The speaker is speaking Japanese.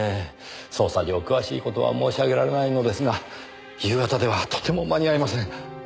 捜査上詳しい事は申し上げられないのですが夕方ではとても間に合いません。